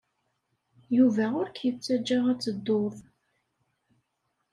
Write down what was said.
Yuba ur k-yettajja ad tedduḍ.